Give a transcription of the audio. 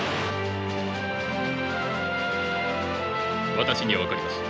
私には分かります。